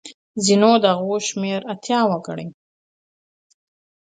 ځینې د هغوی شمېر ایته ګڼي.